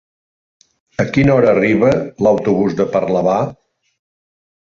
A quina hora arriba l'autobús de Parlavà?